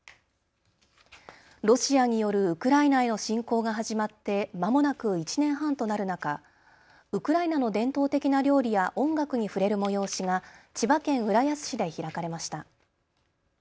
ロシアによるウクライナへの侵攻が始まってまもなく１年半となる中、ウクライナの伝統的な料理や音楽に触れる催しが千葉県浦安市で開かれました。